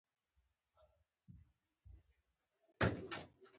• شنې سترګې د دلې او زړه راښکونکې دي.